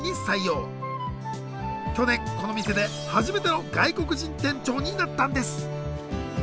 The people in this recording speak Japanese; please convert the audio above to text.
去年この店で初めての外国人店長になったんです。